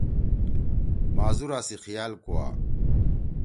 معذورا سی خیال کوا۔